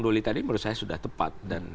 doli tadi menurut saya sudah tepat dan